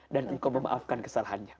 dan engkau memaafkan kesalahannya